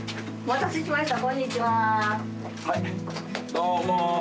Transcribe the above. どうも。